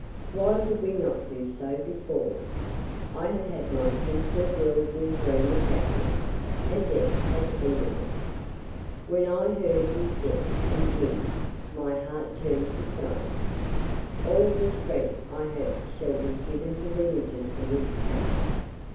Why could we not do so before? I have had my sinful worldly dream of happiness, and death has ended it. When I heard of his death and Jim's my heart turned to stone. All the strength I have shall be given to religion from this out.